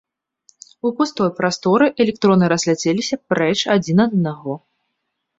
У пустой прасторы, электроны разляцеліся б прэч адзін ад аднаго.